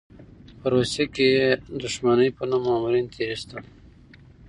په روسيې کې یې د دښمنۍ په نوم مامورین تېر ایستل.